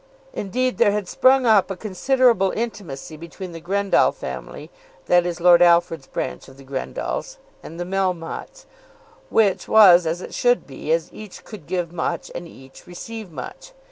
Indeed there had sprung up a considerable intimacy between the Grendall family, that is Lord Alfred's branch of the Grendalls, and the Melmottes; which was as it should be, as each could give much and each receive much.